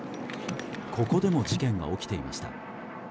ここでも事件が起きていました。